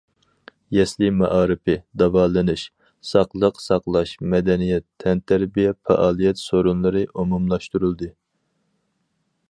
يەسلى مائارىپى، داۋالىنىش، ساقلىق ساقلاش، مەدەنىيەت، تەنتەربىيە پائالىيەت سورۇنلىرى ئومۇملاشتۇرۇلدى.